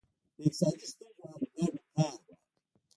د اقتصادي ستونزو حل ګډ کار غواړي.